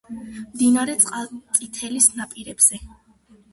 მდინარე წყალწითელის ნაპირებზე.